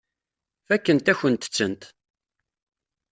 Fakkent-akent-tent.